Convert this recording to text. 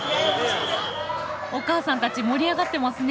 お母さんたち盛り上がってますね。